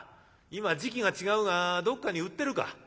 今時期が違うがどっかに売ってるか？」。